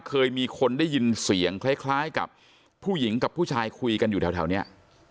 เคยมีคนได้ยินเสียงคล้ายกับผู้หญิงกับผู้ชายคุยกันอยู่แถวนี้